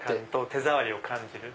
手触りを感じる。